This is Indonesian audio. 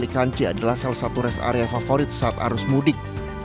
dan c adalah salah satu res area favorit saat arus mudik